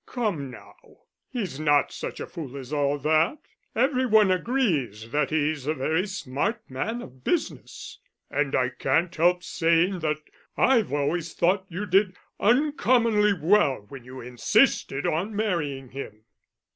"Come now, he's not such a fool as all that. Every one agrees that he's a very smart man of business. And I can't help saying that I've always thought you did uncommonly well when you insisted on marrying him."